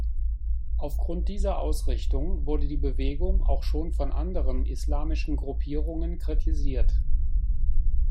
Aufgrund dieser Ausrichtung wurde die Bewegung auch schon von anderen islamischen Gruppierungen kritisiert.